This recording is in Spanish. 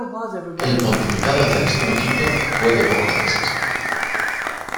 El pontificado de Celestino V fue de pocos meses.